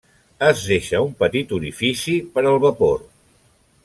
Es deixa un petit orifici per al vapor.